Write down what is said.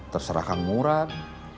terserah kang murad